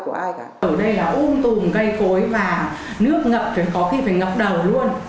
ở đây là ung tùm cây cối và nước ngập có khi phải ngập đầu luôn